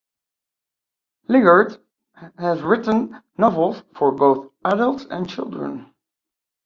Lingard has written novels for both adults and children.